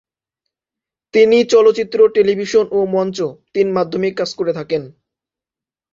তিনি চলচ্চিত্র, টেলিভিশন ও মঞ্চ তিন মাধ্যমেই কাজ করে থাকেন।